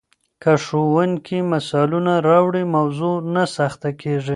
که ښوونکی مثالونه راوړي، موضوع نه سخته کیږي.